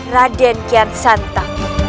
raden kian santa